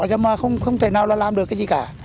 nhưng mà không thể nào là làm được cái gì cả